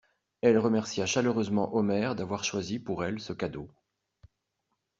Elle remercia chaleureusement Omer d'avoir choisi, pour elle, ce cadeau.